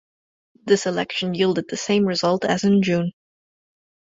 This election yielded the same result as in June.